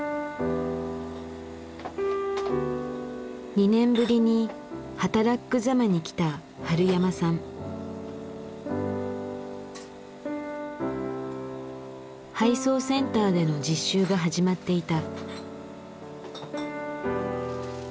２年ぶりにはたらっく・ざまに来た配送センターでの実習が始まっていた。